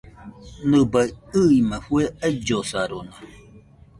Nɨbaɨ ɨima fue aillosarona.